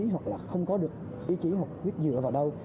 hoặc là không có được ý chí hoặc viết dựa vào đâu